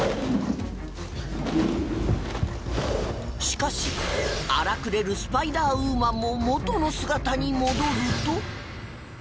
しかし荒くれるスパイダーウーマンも元の姿に戻ると